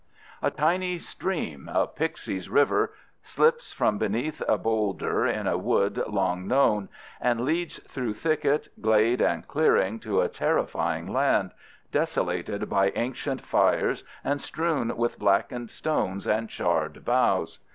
A tiny stream, a pixy's river, slips from beneath a bowlder in a wood long known, and leads through thicket, glade, and clearing to a terrifying land, desolated by ancient fires and strewn with blackened stones and charred boughs.